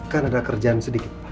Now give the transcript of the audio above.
kan ada kerjaan sedikit